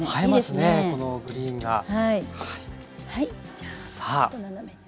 じゃあちょっと斜めに置いて。